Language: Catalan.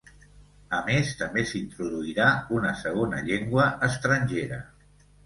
A més també s’introduirà una segona llengua estrangera.